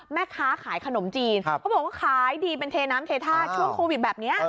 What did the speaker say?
แม่ค้าขายขนมจีนเขาบอกว่าขายดีเป็นเทน้ำเทท่าช่วงโควิดแบบนี้